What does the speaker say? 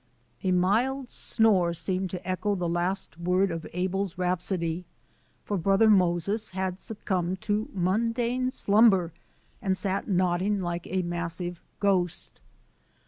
A mild snore seemed to echo the last word of Abel's rhapsody, for Brother Moses had suc cumbed to mundane slimiber and sat nodding like a massive ghost.